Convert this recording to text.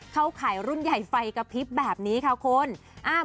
เข้าขายรุ่นใหญ่ไฟกับพลิปแบบนี้ค่ะคุณ